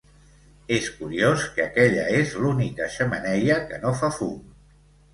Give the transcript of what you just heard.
És curiós que aquella és l'única xemeneia que no fa fum.